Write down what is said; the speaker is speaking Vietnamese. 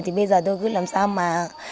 thì bây giờ tôi cứ làm sao mà